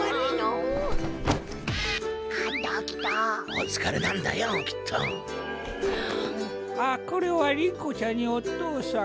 あっこれはりん子ちゃんにお父さん。